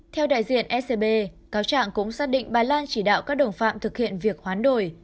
theo đại diện scb cáo trạng cũng xác định bà lan chỉ đạo các đồng phạm thực hiện việc hoán đổi